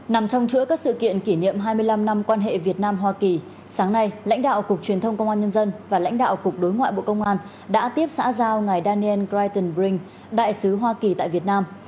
nằm trong chuỗi các sự kiện kỷ niệm hai mươi năm năm quan hệ việt nam hoa kỳ sáng nay lãnh đạo cục truyền thông công an nhân dân và lãnh đạo cục đối ngoại bộ công an đã tiếp xã giao ngài daniel critton brink đại sứ hoa kỳ tại việt nam